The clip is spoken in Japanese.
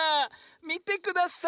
みてください！